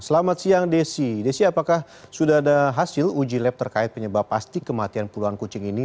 selamat siang desi desi apakah sudah ada hasil uji lab terkait penyebab pasti kematian puluhan kucing ini